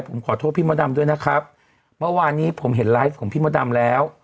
ผมขอโทษพี่มดดำด้วยนะครับเมื่อวานนี้ผมเห็นไลฟ์ของพี่มดดำแล้ว